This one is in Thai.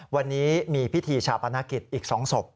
วันนี้มีพิธีชาปนกิจอีก๒ศพ